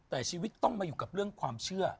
แต่ชีวิตต้องมาอยู่กับเรื่องความเชื่อ